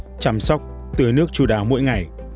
bạn gieo một hạt sống xuống đất chăm sóc tưới nước chủ đào mỗi ngày